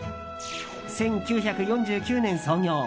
１９４９年創業。